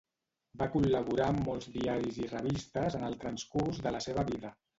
Va col·laborar amb molts diaris i revistes en el transcurs de la seva vida.